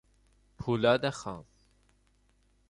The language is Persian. پولاد خام